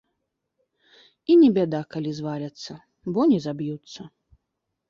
І не бяда, калі зваляцца, бо не заб'юцца.